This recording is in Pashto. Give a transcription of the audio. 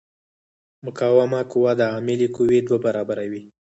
مقاومه قوه د عاملې قوې دوه برابره وي.